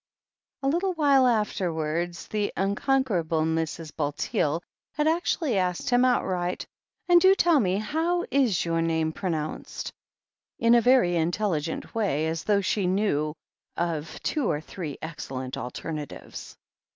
A little while afterwards the unconquerable Mrs. Bulteel had actually asked him outright, "And do tell me, how is your name pronounced?" in a very intelli gent way, as though she knew of two or three excellent alternatives.